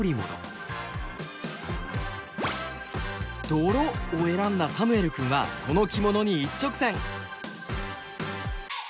「泥」を選んだサムエルくんはその着物に一直線。